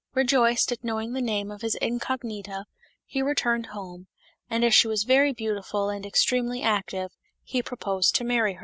Rejoiced at knowing the name of his incognita, he returned home ; and as she was very beautiful and extremely active, he proposed to marry The Fellings.